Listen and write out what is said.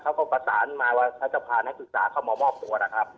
เขาก็ประสานมาว่าเขาจะพานักศึกษาเข้ามามอบตัวนะครับ